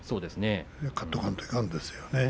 勝っとかんといかんですよね。